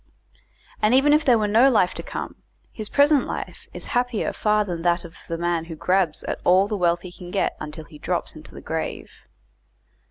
And even if there were no life to come, his present life is happier far than that of the man who grabs at all the wealth he can get until he drops into the grave.